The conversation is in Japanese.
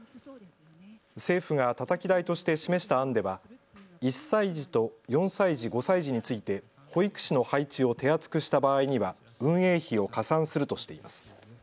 政府がたたき台として示した案では１歳児と４歳児、５歳児について保育士の配置を手厚くした場合には運営費を加算するとしています。